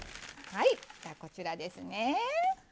はいこちらですね。